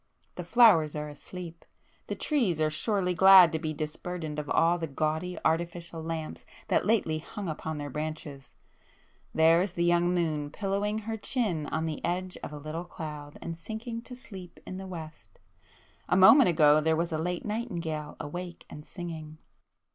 The flowers are asleep,—the trees are surely glad to be disburdened of all the gaudy artificial lamps that lately hung upon their branches,—there is the young moon pillowing her chin on the edge of a little cloud and sinking to sleep in the west,—a moment ago there was a late nightingale awake and singing.